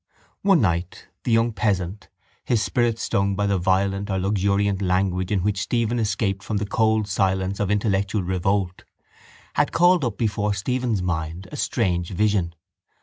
One night the young peasant, his spirit stung by the violent or luxurious language in which Stephen escaped from the cold silence of intellectual revolt, had called up before Stephen's mind a strange vision.